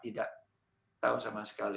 tidak tahu sama sekali